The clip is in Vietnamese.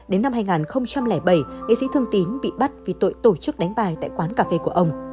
đến năm hai nghìn bảy nghệ sĩ thương tín bị bắt vì tội tổ chức đánh bài tại quán cà phê của ông